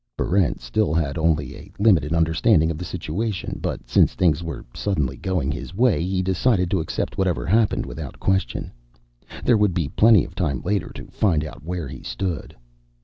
Barrent still had only a limited understanding of the situation. But since things were suddenly going his way, he decided to accept whatever happened without question. There would be plenty of time later to find out where he stood.